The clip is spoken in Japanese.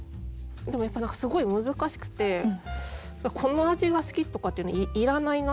でもやっぱ何かすごい難しくて「この味が好き」とかっていらないなって。